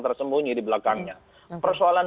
tersembunyi di belakangnya persoalan